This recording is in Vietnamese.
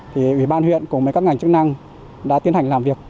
thì ủy ban huyện cùng với các ngành chức năng đã tiến hành làm việc